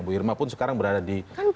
bu irma pun sekarang berada di kursi dpr